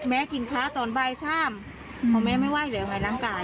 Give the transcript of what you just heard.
แม่กินค้าตอนบ่ายซ่ามเพราะแม่ไม่ไหว้แล้วไหนล้างกาย